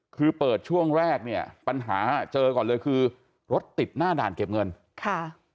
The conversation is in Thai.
คือเปิดช่วงแรกเนี่ยปัญหาเจอก่อนเลยคือรถติดหน้าด่านเก็บเงินค่ะ